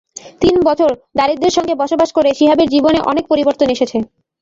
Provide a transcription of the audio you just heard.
তিন বছর দারিদ্র্যের সঙ্গে বসবাস করে শিহাবের জীবনে অনেক পরিবর্তন এসেছে।